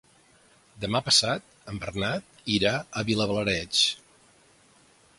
Demà passat en Bernat irà a Vilablareix.